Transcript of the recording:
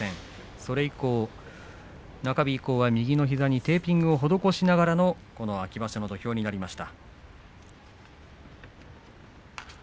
それ以降、中日以降は右の膝にテーピングを施しながらのこの秋場所の土俵になりました。